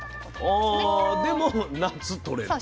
でも夏とれるのね。